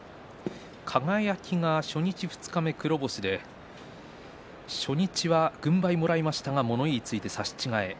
輝が初日、二日目、黒星初日は軍配もらいましたけども物言いがついて差し違えに。